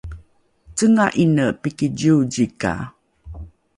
Cenga'ine piki ziwzika!